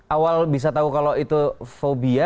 awal bisa tahu kalau itu fobia